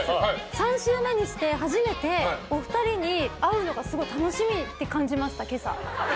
３週目にして初めてお二人に会うのがすごい楽しみに感じました、今朝。